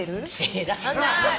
知らない。